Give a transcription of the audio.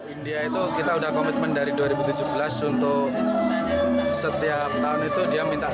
india itu kita udah komitmen dari dua ribu tujuh belas untuk setiap tahun itu dia minta